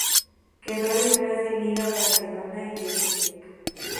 Quedó detrás de Liga, Barcelona y Emelec.